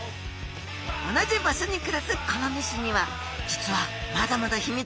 同じ場所に暮らすこの２種には実はまだまだ秘密があるんです。